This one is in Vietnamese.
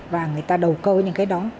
và người ta đầu cơ những cái đó